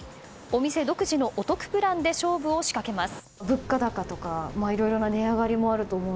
お店独自のお得プランで勝負を仕掛けます。